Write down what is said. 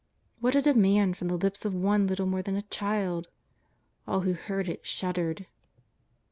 What a demand from the lips of one little more than a child! All who heard it shuddered.